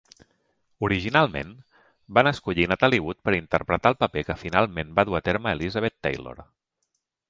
Originalment, van escollir Natalie Wood per interpretar el paper que finalment va dur a terme Elizabeth Taylor.